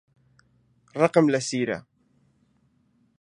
ڕقم لە سیرە.